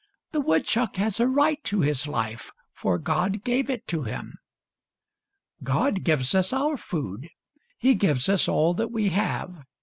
The woodchuck has a right to his life, for God gave it to him, " God gives us our food. He gives us all that we have.